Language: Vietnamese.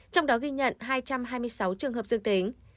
trong đó ghi nhận hai trăm hai mươi sáu trường hợp dương tính